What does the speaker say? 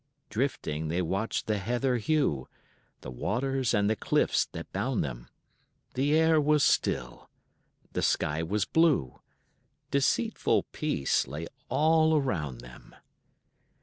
Drifting they watched the heather hue, The waters and the cliffs that bound them; The air was still, the sky was blue, Deceitful peace lay all around them.